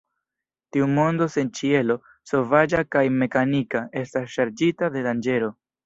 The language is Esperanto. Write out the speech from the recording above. Tiu mondo sen ĉielo, sovaĝa kaj mekanika, estas ŝarĝita de danĝero.